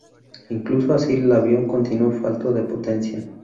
Incluso así, el avión continuó falto de potencia.